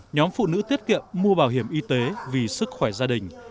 nhóm phụ nữ tiết kiệm mua bảo hiểm y tế vì sức khỏe gia đình